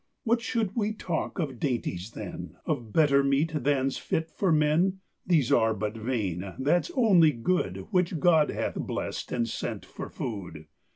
What should we talk of dainties, then, Of better meat than's fit for men? These are but vain: that's only good Which God hath bless'd and sent for food.